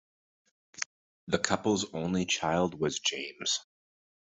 The couple's only child was James.